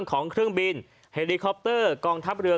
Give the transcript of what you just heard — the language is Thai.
ทั้งเรื่องของเครื่องบินเฮลิคอปเตอร์กองทัพเรือ